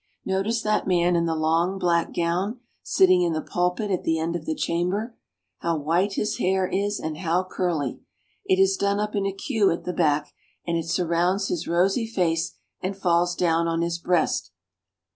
Notice that man in the long black gown sitting in the pulpit at the end of the chamber. How white his hair is and how curly ; it is done up in a queue at the back, and it surrounds his rosy face and falls down on his breast.